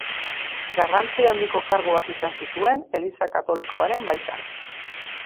Garrantzi handiko karguak izan zituen Eliza Katolikoaren baitan.